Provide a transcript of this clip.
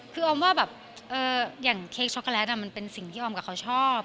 คือออมว่าแบบอย่างเค้กช็อกโกแลตมันเป็นสิ่งที่ออมกับเขาชอบ